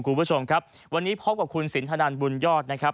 คุณผู้ชมครับวันนี้พบกับคุณสินทนันบุญยอดนะครับ